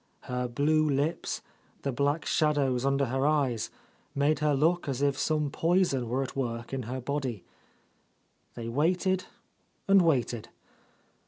Her blue lips, the black shadows under her eyes, made her look as if some poison were at work in her body. They waited and waited.